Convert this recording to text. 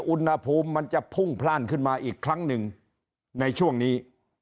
อุณหภูมิมันจะพุ่งพลาดขึ้นมาอีกครั้งหนึ่งในช่วงนี้